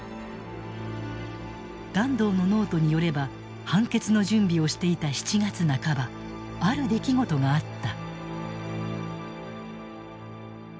團藤のノートによれば判決の準備をしていた７月半ばある出来事があった。